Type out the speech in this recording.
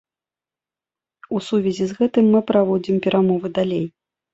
У сувязі з гэтым мы праводзім перамовы далей.